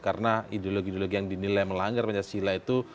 karena ideologi ideologi yang dinilai melanggar pancasila itu